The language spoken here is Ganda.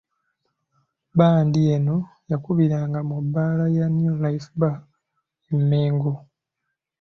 Bbandi eno yakubiranga mu bbaala ya New Life bar e Mmengo.